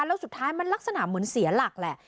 แล้วสุดท้ายมันลักษณะเหมือนเสียหลักแหละ